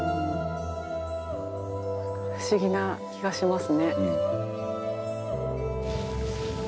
不思議な気がしますね。